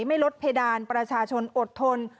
ไม่ลดเพดานประชาชนอดทน